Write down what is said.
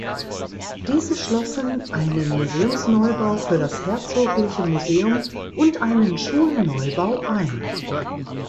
Diese schlossen einen Museumsneubau für das Herzogliche Museum und einen Schulneubau ein.